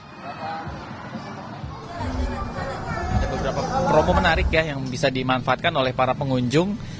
ada beberapa promo menarik ya yang bisa dimanfaatkan oleh para pengunjung